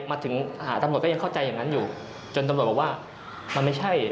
มาถึงตำรวจก็ยังเข้าใจอย่างนั้นอยู่จนตำรวจบอกว่ามันไม่ใช่